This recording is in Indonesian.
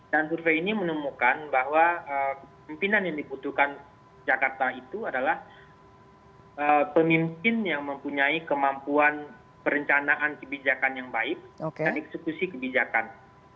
dan survei ini menemukan bahwa kepemimpinan yang dibutuhkan jakarta itu adalah pemimpin yang mempunyai kemampuan perencanaan kebijakan yang baik dan eksekusi kebijakan